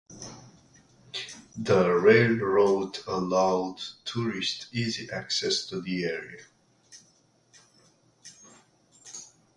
The railroad allowed tourists easy access to the area.